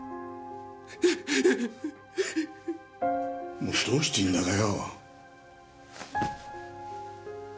もうどうしていいんだかよ。